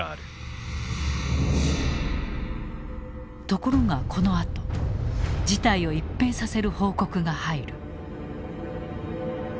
ところがこのあと事態を一変させる報告が入る。